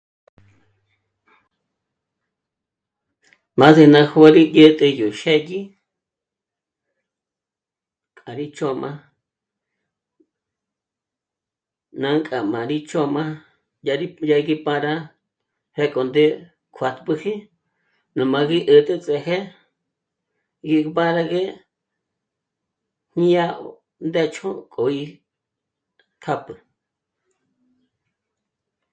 M'a gí ná jó'o dyä̀'t'ä yó xë́dyi k'a rí ts'ó'ma... nú k'a rí ts'ó'ma dyà gí para pjéko ndé kuájpjüji ná m'âgí 'ä̀t'äts'ë́he dyímbárëgue ñía'a ndécho k'o íjk'ápjü